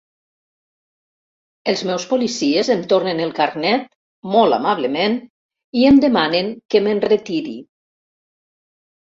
Els meus policies em tornen el carnet, molt amablement, i em demanen que m'enretiri.